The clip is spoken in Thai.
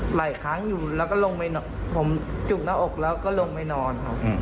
หลายครั้งอยู่ผมจุกหน้าอกแล้วก็ลงไปนอน